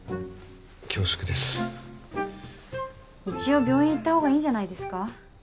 恐縮です一応病院行ったほうがいいんじゃないですか？